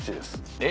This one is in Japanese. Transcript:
えっ！